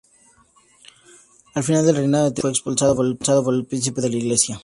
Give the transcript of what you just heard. Al final del reinado de Teodosio, fue expulsado por el príncipe de la Iglesia.